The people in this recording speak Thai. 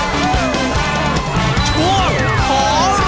ว่ากันด้วยเรื่องสมุทรสงคราม